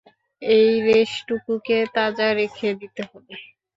এই রেশটুকুকে তাজা রেখে দিতে হবে।